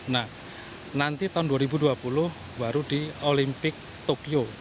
nah nanti tahun dua ribu dua puluh baru di olimpik tokyo